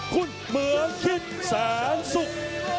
คุณเหมืองคิดแสนสุข